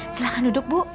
silahkan duduk bu